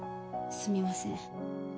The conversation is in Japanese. すみません